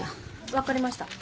分かりました。